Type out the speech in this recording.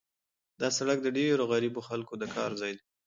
دا سړک د ډېرو غریبو خلکو د کار ځای دی.